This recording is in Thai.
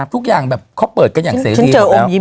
ทุกอย่างแบบเขาเปิดกันอย่างเสรี